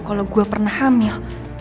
kalau gue pernah hamil